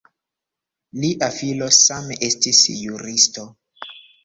Lia filo same estis juristo.